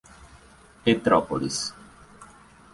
Petrópolis